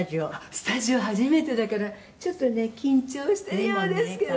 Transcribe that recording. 「スタジオ初めてだからちょっとね緊張してるようですけど」